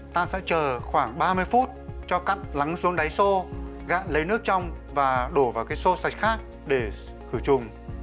ta sẽ chờ khoảng ba mươi phút cho cặn lắng xuống đáy xô gạn lấy nước trong và đổ vào cái xô sạch khác để khử trùng